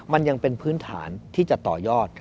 มันยังเป็นพื้นฐานที่จะต่อยอด